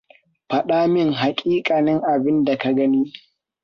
Faɗa mini haƙiƙanin abinda ka ji.